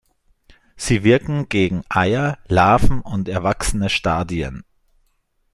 Sie wirken gegen Eier, Larven und erwachsene Stadien.